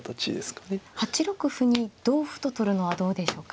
８六歩に同歩と取るのはどうでしょうか。